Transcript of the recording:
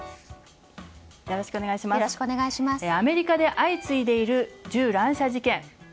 アメリカで相次いでいる銃乱射事件。